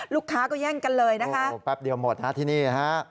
ลูกค้าก็แย่งกันเลยนะคะแป๊บเดียวหมดฮะที่นี่ฮะ